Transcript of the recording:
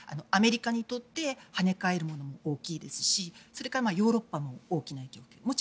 アメリカにとって跳ね返るものも大きいですしそれからヨーロッパも大きな影響がある。